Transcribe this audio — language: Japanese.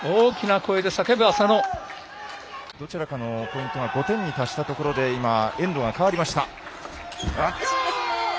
どちらかのポイントが５点に達したところで今エンドが変わりました。